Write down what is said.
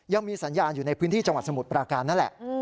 ยังมีสัญญาณอยู่ในพื้นที่จังหวัดสมุทรปราการนั่นแหละ